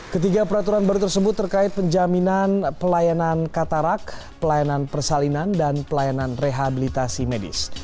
ketiga peraturan baru tersebut terkait penjaminan pelayanan katarak pelayanan persalinan dan pelayanan rehabilitasi medis